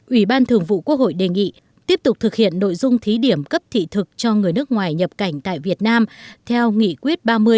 ủy ban thường vụ quốc hội đề nghị tiếp tục thực hiện nội dung thí điểm cấp thị thực cho người nước ngoài nhập cảnh tại việt nam theo nghị quyết ba mươi